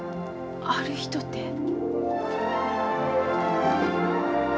ある人て？